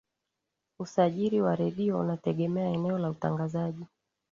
usajiri wa redio unategemea eneo la utangazaji